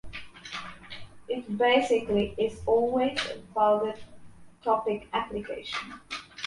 It basically is always about the topic application.